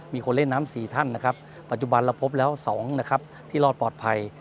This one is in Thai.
มีคนเล่นน้ำ๔ท่านนะครับปัจจุบันเราพบแล้ว๒นะครับที่รอดปลอดภัย